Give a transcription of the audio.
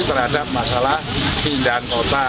terhadap masalah pindahan kota